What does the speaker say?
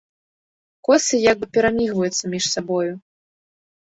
Косы як бы перамігваюцца між сабою.